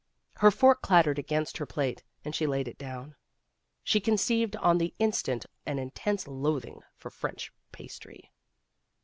Her fork clattered against her plate, and she laid it down. She conceived on the instant an intense loathing for French pastry.